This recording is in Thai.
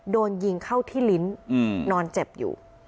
โดนยิงเข้าที่ลิ้นนอนเจ็บอยู่